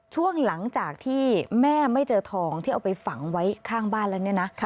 ช่วงหลังจากที่แม่ไม่เจอทองที่เอาไปฝังไว้ข้างบ้านแล้วเนี่ยนะ